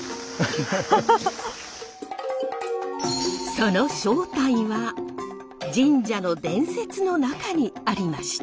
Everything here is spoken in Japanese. その正体は神社の伝説の中にありました。